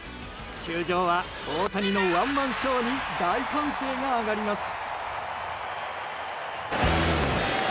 球場は大谷のワンマンショーに大歓声が上がります。